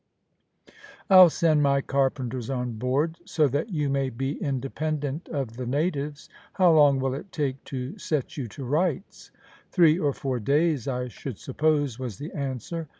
"I'll send my carpenters on board, so that you may be independent of the natives. How long will it take to set you to rights?" "Three or four days I should suppose," was the answer.